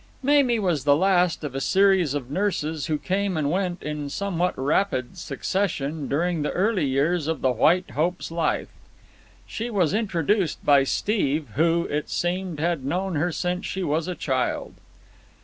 Mamie was the last of a series of nurses who came and went in somewhat rapid succession during the early years of the White Hope's life. She was introduced by Steve, who, it seemed, had known her since she was a child.